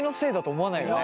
思わないね。